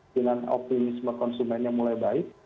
dengan optimisme konsumennya mulai baik